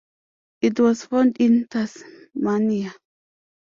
It was found in Tasmania.